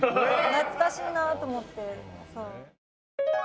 懐かしいなと思って。